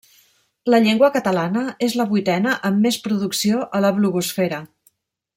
La llengua catalana és la vuitena amb més producció a la blogosfera.